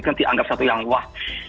kan dianggap satu yang wah